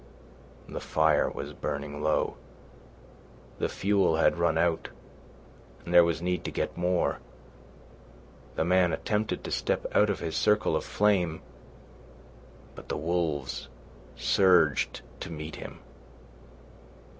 The fire was burning low. The fuel had run out, and there was need to get more. The man attempted to step out of his circle of flame, but the wolves surged to meet him.